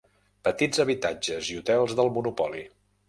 Petits habitatges i hotels del Monopoly.